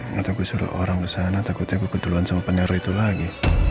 nanti gue suruh orang kesana takutnya gue keduluan sama pener itu lagi